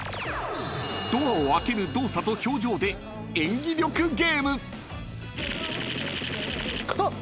［ドアを開ける動作と表情で演技力ゲーム］あっ！